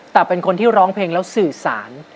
แต่เป็นคนที่ร้องเพลงแล้วสื่อสาร